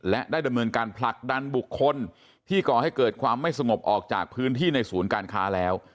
และได้ดำเนินการผลักดันบุคคลที่ก่อให้เกิดความไม่สงบออกจากพื้นที่ในศูนย์การค้าแล้ว